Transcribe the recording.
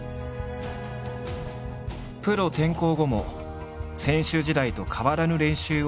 プロ転向後も選手時代と変わらぬ練習を続けている羽生。